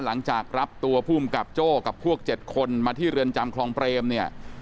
หลังจากรับตัวภูมิกับโจ้กับพวก๗คนมาที่เรือนจำคลองเปรมเนี่ย